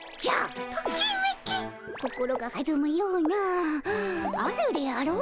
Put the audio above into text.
心がはずむようなあるであろう？